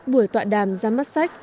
buổi tọa đàm ra mắt sách